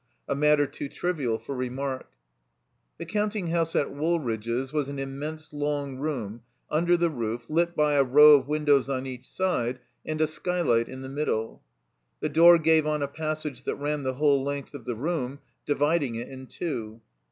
A matter too trivial for remark. 6i THE COMBINED MAZE The counting house at WooWdge's was an im mense long room imder the roof, lit by a row of win dows on each side and a skylight in the middle. The door gave on a passage that ran the whole length of the room, dividing it in two.